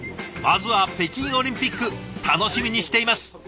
まずは北京オリンピック楽しみにしています。